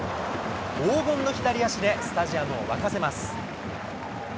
黄金の左足でスタジアムを沸かせます。